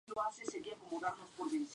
Fue precedida por "Ber.